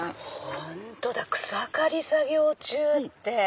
本当だ「草刈り作業中」って。